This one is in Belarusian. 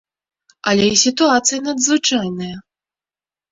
Але і сітуацыя надзвычайная!